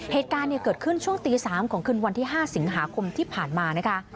เหตุการณ์เกิดขึ้นช่วงตี๓ของคืนวันที่๕สิงหาคมที่ผ่านมานะคะ